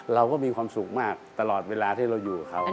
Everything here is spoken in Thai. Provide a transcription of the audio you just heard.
เราก็มีความสุขมากตลอดเวลาที่เราอยู่กับเขา